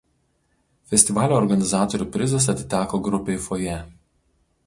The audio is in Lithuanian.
Festivalio organizatorių prizas atiteko grupei „Foje“.